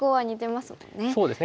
そうですね。